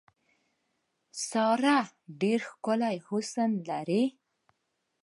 ساره ډېر ښکلی حسن لري.